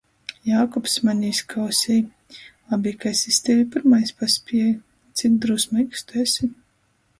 Jākubs mani "izkausej": "Labi, ka es iz tevi pyrmais paspieju!" Cik drūsmeigs tu esi?